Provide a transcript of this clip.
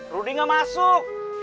rudy ga masuk